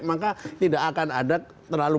maka tidak akan ada terlalu